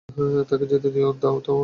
তাকে যেতে দাও থামো!